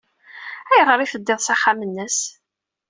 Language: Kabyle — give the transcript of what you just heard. Ayɣer ay teddiḍ s axxam-nnes?